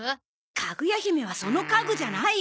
かぐや姫はその家具じゃないよ。